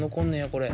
これ。